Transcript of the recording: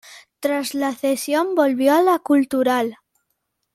Tras la cesión volvió a la Cultural.